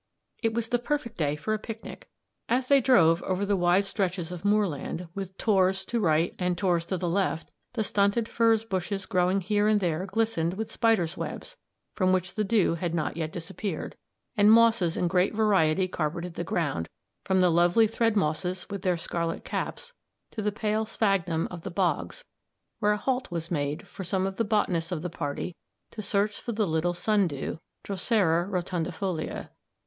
It was a perfect day for a picnic. As they drove over the wide stretches of moorland, with tors to right and tors to the left, the stunted furze bushes growing here and there glistened with spiders' webs from which the dew had not yet disappeared, and mosses in great variety carpeted the ground, from the lovely thread mosses, with their scarlet caps, to the pale sphagnum of the bogs, where a halt was made for some of the botanists of the party to search for the little Sundew (Drosera rotundifolia).